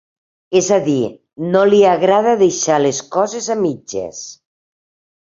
És a dir, no li agrada deixar les coses a mitges.